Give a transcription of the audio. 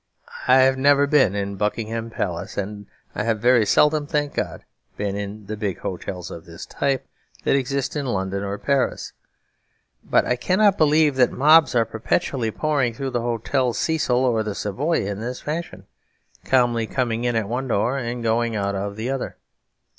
I have never been in Buckingham Palace, and I have very seldom, thank God, been in the big hotels of this type that exist in London or Paris. But I cannot believe that mobs are perpetually pouring through the Hotel Cecil or the Savoy in this fashion, calmly coming in at one door and going out of the other.